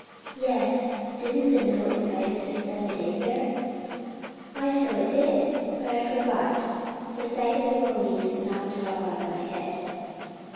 "Yes; didn't the note invite us to spend the day there?" "Why so it did! But I'd forgot; the sight of the ponies knocked it all out of my head."